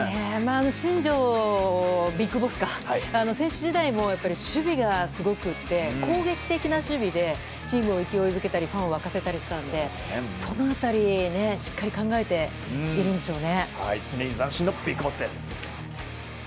新庄ビッグボスは選手時代も守備がすごくって攻撃的な守備でチームを勢いづけたりファンを沸かせたりしたのでその辺り、しっかり常に斬新のビッグボスです。